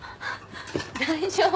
大丈夫？